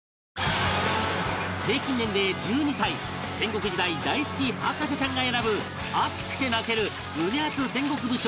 平均年齢１２歳戦国時代大好き博士ちゃんが選ぶ熱くて泣ける胸アツ戦国武将